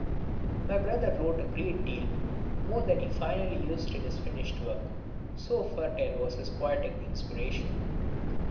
My brother wrote a great deal more than he finally used in his finished work, so fertile was his poetic inspiration.